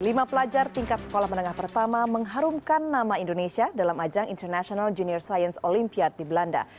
lima pelajar tingkat sekolah menengah pertama mengharumkan nama indonesia dalam ajang international junior science olympiad di belanda